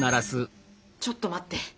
ちょっと待って！